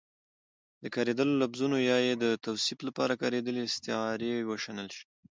د کارېدلو لفظونو يا يې د توصيف لپاره کارېدلې استعارې وشنل شي